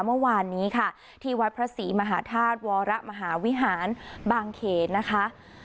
เมื่อวานนี้ค่ะที่วัดพระศรีมหาธาตุวรมหาวิหารบางเขนนะคะ